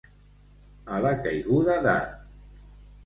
A la caiguda de.